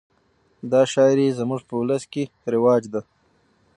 دا شاعري زموږ په اولس کښي رواج ده.